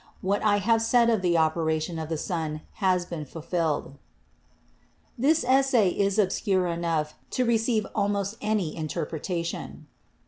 "What I have said of the operation of the sun has been fulfilled." This essay is obscure enough to receive almost any in terpretation.